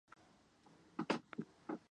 翌年升任金门总兵。